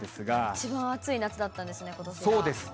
一番暑い夏だったんですね、そうです。